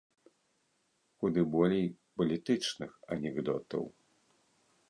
Куды болей палітычных анекдотаў.